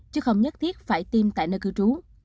chứ không nhất thiết phải tiêm tại nơi cư trú